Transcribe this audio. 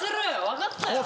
分かったよ。